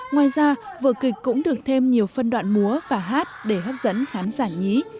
ngoài ra vở kịch cũng được thêm nhiều phân đoạn múa và hát để hấp dẫn khán giả nhí